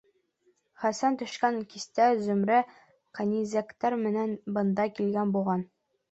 Хәсән төшкән кистә Зөмрә кәнизәктәре менән бында килгән булған.